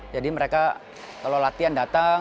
jadi mereka kalau latihan datang